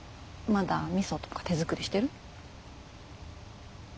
まだみそとか手作りしてる？